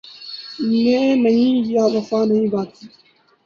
میں نہیں یا وفا نہیں باقی